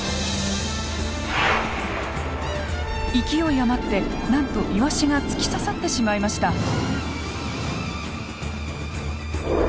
勢い余ってなんとイワシが突き刺さってしまいました。